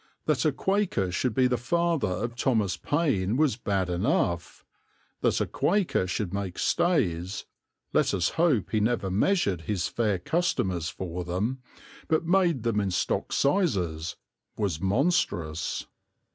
That a Quaker should be the father of Thomas Paine was bad enough; that a Quaker should make stays let us hope he never measured his fair customers for them, but made them in stock sizes was monstrous.